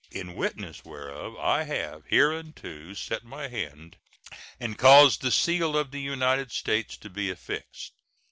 In witness whereof I have hereunto set my hand and caused the seal of the United States to be affixed.